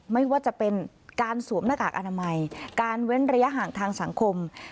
ไม่ว่าจะเป็นการสวมหน้ากากอนามัยการเว้นระยะห่างทางสังคม